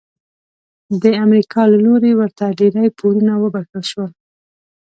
د امریکا له لوري ورته ډیری پورونه وبخښل شول.